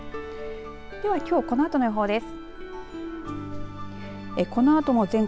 ではきょうこのあとの予報です。